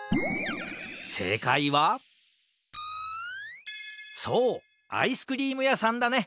せいかいはそうアイスクリームやさんだね！